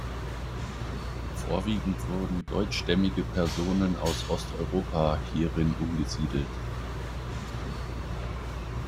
Vorwiegend wurden deutschstämmige Personen aus Osteuropa hierin umgesiedelt.